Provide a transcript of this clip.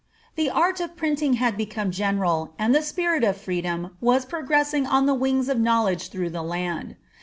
The art of printing had become general, and the spirit of freedom (7) ▼Ul PREFACB. was progressing on the wings of knowledge through the land.